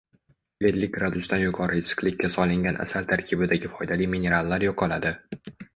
Ellik gradusdan yuqori issiqlikka solingan asal tarkibidagi foydali minerallar yo‘qoladi.